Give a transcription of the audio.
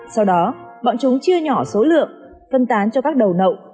sau đó bọn chúng chia nhỏ số lượng phân tán cho các đầu nậu